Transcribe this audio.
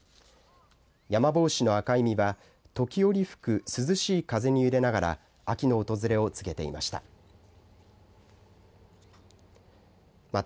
ヤマボウシの赤い実は時折、吹く涼しい風に揺れながら秋の訪れを告げていました。